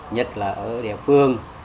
nhất là ở địa phương